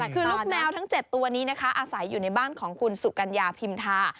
คือลูกแมวทั้ง๗ตัวนี้นะคะอาศัยอยู่ในบ้านของคุณสุกัญญาพิมทา